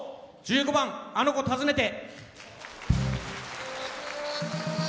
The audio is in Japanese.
１５番「あの娘たずねて」。